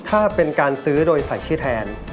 ถ้าเป็นการซื้อโดยใส่ชื่อแทน